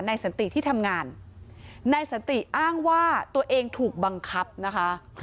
สันติที่ทำงานนายสันติอ้างว่าตัวเองถูกบังคับนะคะ